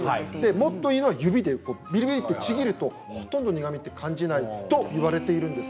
もっと言うのは指でビリビリとちぎるとほとんど苦みを感じないといわれています。